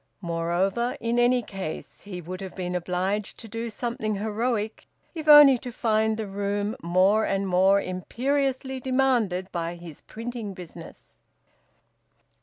Moreover, in any case, he would have been obliged to do something heroic, if only to find the room more and more imperiously demanded by his printing business.